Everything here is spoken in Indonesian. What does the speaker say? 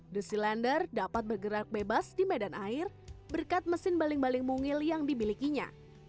the silender dapat bergerak bebas di medan air berkat mesin baling baling mungil yang dimilikinya